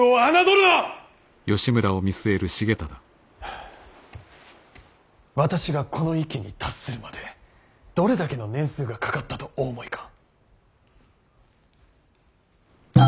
あ私がこの域に達するまでどれだけの年数がかかったとお思いか。